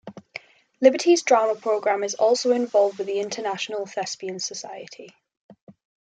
Liberty's drama program is also involved with the International Thespian Society.